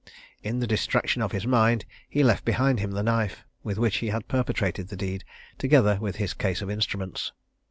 In the distraction of his mind, he left behind him the knife with which he had perpetrated the deed, together with his case of instruments.